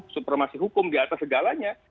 supremasi hukum di atas segalanya